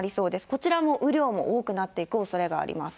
こちらも雨量も多くなっていくおそれがあります。